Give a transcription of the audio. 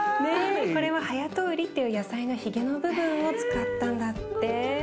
これははやとうりっていう野菜のひげの部分を使ったんだって。